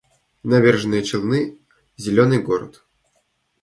Набережные Челны — зелёный город